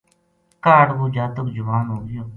کاہڈ وہ جاتک جوان ہو گیو